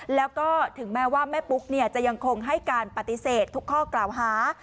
แล้วก็ถึงแม้ว่าแม่ปุ๊กจะยังคงให้การปฏิเสธทุกข้อกล่าวหา